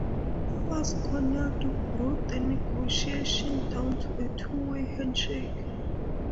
Fast Connect brought the negotiation down to a two-way handshake.